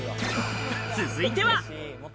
続いては。